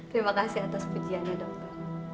terima kasih atas pujiannya dokter